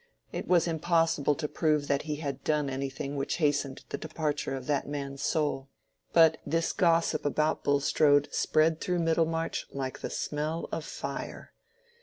It was impossible to prove that he had done anything which hastened the departure of that man's soul. But this gossip about Bulstrode spread through Middlemarch like the smell of fire.